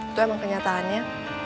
itu emang kenyataannya